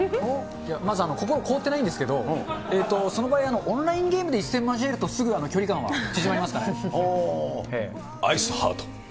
いや、まず心凍ってないんですけど、その場合、オンラインゲームで一戦交えると、すぐ距離感アイスハート。